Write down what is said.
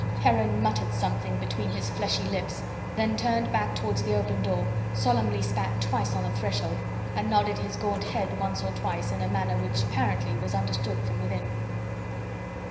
Heron muttered something between his fleshy lips, then he turned back towards the open door, solemnly spat twice on the threshold, and nodded his gaunt head once or twice in a manner which apparently was understood from within.